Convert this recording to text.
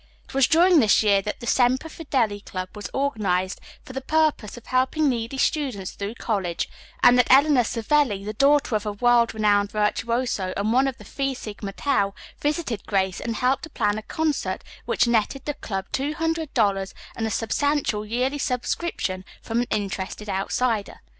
It was during this year that the Semper Fidelis Club was organized for the purpose of helping needy students through college, and that Eleanor Savelli, the daughter of a world renowned virtuoso, and one of the Phi Sigma Tau, visited Grace and helped to plan a concert which netted the club two hundred dollars and a substantial yearly subscription from an interested outsider.